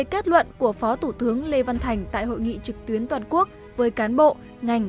kết luận của phó thủ tướng lê văn thành tại hội nghị trực tuyến toàn quốc với cán bộ ngành